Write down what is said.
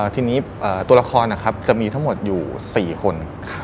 ทีนี้ตัวละครนะครับจะมีทั้งหมดอยู่๔คน